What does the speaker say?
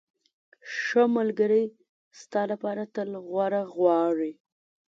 ښه ملګری ستا لپاره تل غوره غواړي.